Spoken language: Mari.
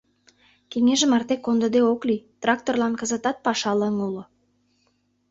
Кеҥеж марте кондыде ок лий, тракторлан кызытат паша лыҥ уло.